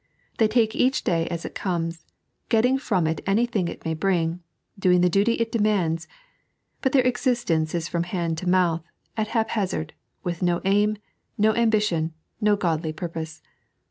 They take each day aa it cornea, getting from it anything it may bring, doing the duty it demands ; but their existence is from hand to mouth, at haphazard, with no aim, no ambition, no godly purpose.